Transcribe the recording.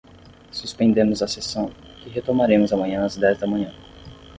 Suspendemos a sessão, que retomaremos amanhã às dez da manhã.